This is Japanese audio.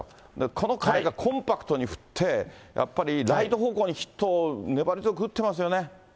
この彼がコンパクトに振って、やっぱりライト方向にヒットを粘り強く打ってますよね。